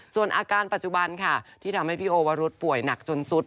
ส่วนอาการปัจจุบันค่ะที่ทำให้พี่โอวรุธป่วยหนักจนสุด